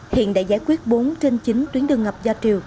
hiện đã giải quyết bốn trên chín tuyến đường ngập do triều